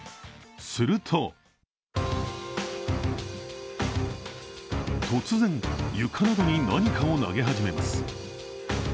すると突然、床などに何かを投げ始めます。